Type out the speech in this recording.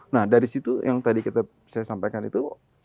nah dari situ yang tadi saya sampaikan itu